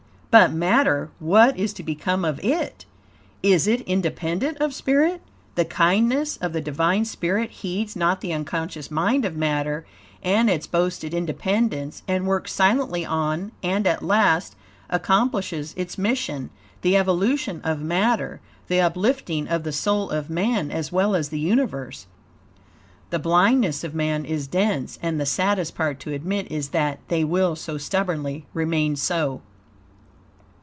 But matter what is to become of it? Is it independent of spirit? The kindness of the Divine spirit heeds not the unconscious mind of matter and its boasted independence, and works silently on, and at last, accomplishes its mission the evolution of matter, the uplifting of the soul of man, as well as the universe. The blindness of man is dense, and the saddest part to admit is that, they will so stubbornly remain so.